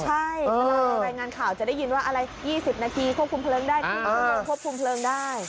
เวลาเราเอารายงานข่าวจะได้ยินว่า๒๐นาทีควบคุมเพลิงได้